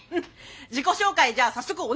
自己紹介じゃあ早速お願いします！